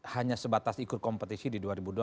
hanya sebatas ikut kompetisi di dua ribu dua puluh